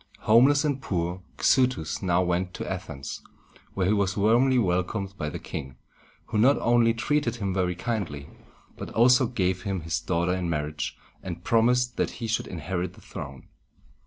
Homeless and poor, Xuthus now went to Athens, where he was warmly welcomed by the king, who not only treated him very kindly, but also gave him his daughter in marriage, and promised that he should inherit the throne.